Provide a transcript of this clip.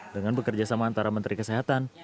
dengan bekerjasama antara menteri kesehatan